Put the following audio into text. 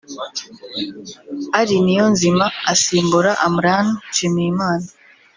Ally Niyonzima asimbura Amran Nshimiyimana